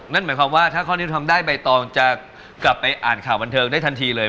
นั่นหมายความว่าถ้าข้อนี้ทำได้ใบตองจะกลับไปอ่านข่าวบันเทิงได้ทันทีเลย